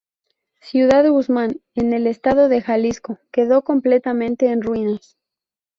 Ciudad Guzmán, en el estado de Jalisco, quedó completamente en ruinas.